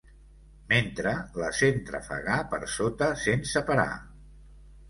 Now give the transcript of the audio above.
Mentre, la sent trafegar per sota sense parar.